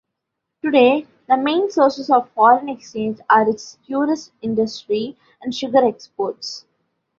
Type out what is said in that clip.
Today, the main sources of foreign exchange are its tourist industry and sugar exports.